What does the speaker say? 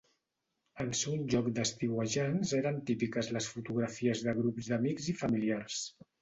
En ser un lloc d'estiuejants eren típiques les fotografies de grups d'amics i familiars.